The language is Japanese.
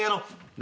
何？